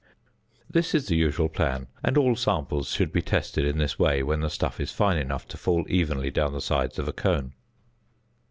This is the usual plan, and all samples should be treated in this way when the stuff is fine enough to fall evenly down the sides of a cone.